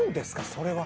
それは。